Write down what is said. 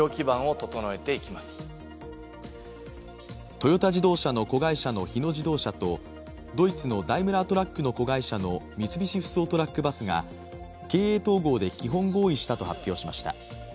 トヨタ自動車の子会社の日野自動車とドイツのダイムラートラックの子会社の三菱ふそうトラック・バスが経営統合で基本合意したと発表しました。